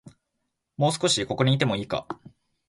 もう少し、ここにいてもいいか